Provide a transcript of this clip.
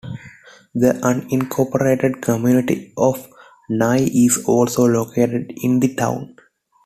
The unincorporated community of Nye is also located in the town.